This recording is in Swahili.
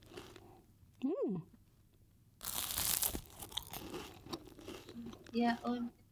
Rais Dokta Mwinyi alieleza matumaini yake kwa Wizara zinazohusika